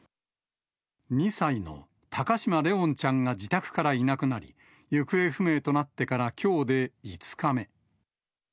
２歳の高嶋怜音ちゃんが自宅からいなくなり、行方不明となってから、きょうで５日目。